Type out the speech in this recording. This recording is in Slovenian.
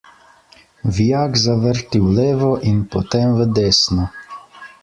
Vijak zavrti v levo in potem v desno.